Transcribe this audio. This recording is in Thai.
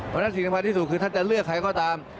เพราะฉะนั้นสิ่งสำคัญที่สุดคือท่านจะเลือกใครก็ตาม